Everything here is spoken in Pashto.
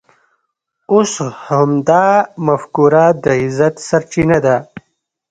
اوس همدا مفکوره د عزت سرچینه ده.